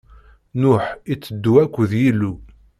Nuḥ itteddu akked Yillu.